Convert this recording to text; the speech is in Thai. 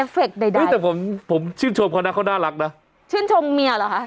เปิดมือถือ